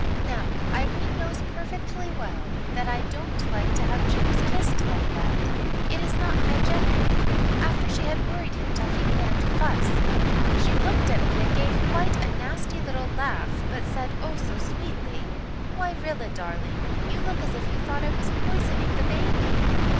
Now, Irene knows perfectly well that I don't like to have Jims kissed like that. It is not hygienic. After she had worried him till he began to fuss, she looked at me and gave quite a nasty little laugh but she said, oh, so sweetly, "'Why, Rilla, darling, you look as if you thought I was poisoning the baby.'